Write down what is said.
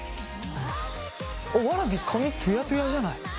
わらび髪トゥヤトゥヤじゃない？